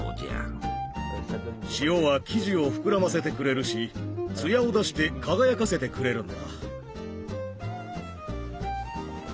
塩は生地を膨らませてくれるしツヤを出して輝かせてくれるんだ。